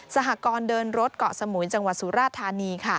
สหกรณ์เดินรถเกาะสมุยจังหวัดสุราธานี